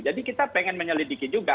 jadi kita pengen menyelidiki juga